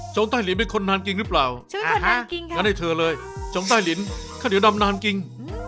ช้องใต้ลินเป็นคนนานกิงหรือเปล่าอย่างนี้เธอเลยช้องใต้ลินข้าวเหนียวดำนานกิง